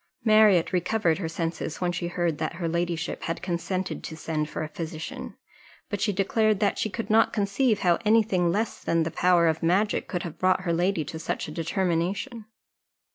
Marriott recovered her senses when she heard that her ladyship had consented to send for a physician; but she declared that she could not conceive how any thing less than the power of magic could have brought her lady to such a determination.